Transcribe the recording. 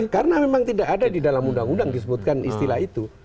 karena memang tidak ada di dalam undang undang disebutkan istilah itu